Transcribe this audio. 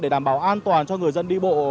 để đảm bảo an toàn cho người dân đi bộ